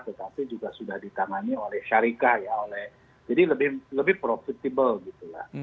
tetapi juga sudah ditangani oleh syarikat ya jadi lebih profitable